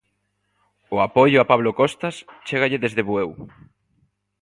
O apoio a Pablo Costas chégalle desde Bueu.